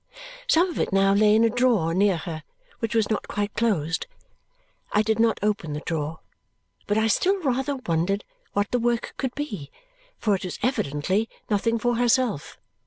Some of it now lay in a drawer near her, which was not quite closed. I did not open the drawer, but I still rather wondered what the work could be, for it was evidently nothing for herself.